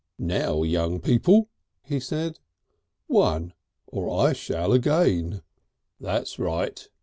"Now, young people," he said. "One! or I shall again." "That's right!"